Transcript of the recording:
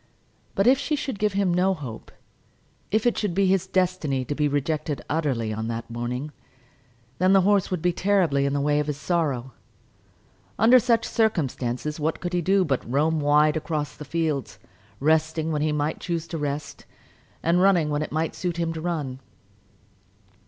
But if she should give him no hope, if it should be his destiny to be rejected utterly on that morning, then the horse would be terribly in the way of his sorrow. Under such circumstances what could he do but roam wide about across the fields, resting when he might choose to rest, and running when it might suit him to run.